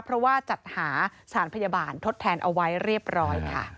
เพราะว่าจัดหาสารพยาบาลทดแทนเอาไว้เรียบร้อยค่ะ